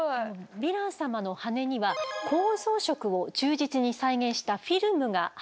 ヴィラン様の羽には構造色を忠実に再現したフィルムが貼ってあります。